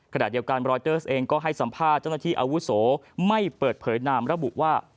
ขณะเดียวกันรอยเตอร์เองก็ให้สัมภาษณ์เจ้าหน้าที่อาวุโสไม่เปิดเผยนามระบุว่า